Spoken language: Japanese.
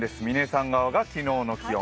嶺さん側が昨日の気温。